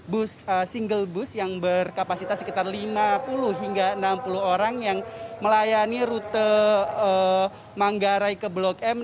bus single bus yang berkapasitas sekitar lima puluh hingga enam puluh orang yang melayani rute manggarai ke blok m